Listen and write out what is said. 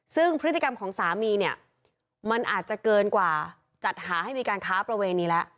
ซึ่งพฤติกรรมของสามีเนี่ยมันอาจจะเกินกว่าจัดหาให้มีการค้าประเวณีแล้ว